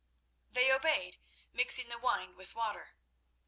They obeyed, mixing the wine with water.